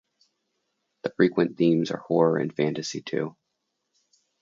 The frequent themes are horror and fantasy, too.